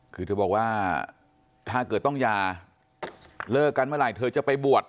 คือเธอบอกว่าถ้าเกิดต้องหย่าเลิกกันเมื่อไหร่เธอจะไปบวช